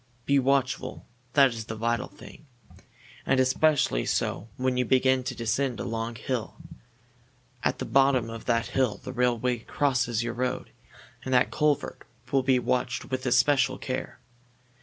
Be watchful that is the vital thing. And especially so when you begin to descend a long hill. At the bottom of that hill the railway crosses your road, and that culvert will be watched with especial care.